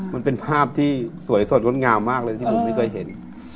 มันเป็นภาพที่สวยสดงดงามมากเลยที่ผมไม่เคยเห็น